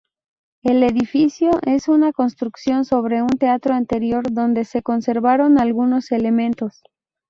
El edificio es una construcción sobre un teatro anterior donde se conservaron algunos elementos.